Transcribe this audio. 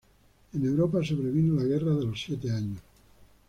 En Europa sobrevino la Guerra de los Siete Años.